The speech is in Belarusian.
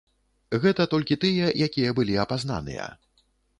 Гэта толькі тыя, якія былі апазнаныя.